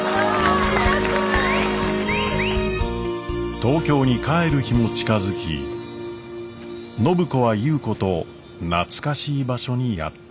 東京に帰る日も近づき暢子は優子と懐かしい場所にやって来ました。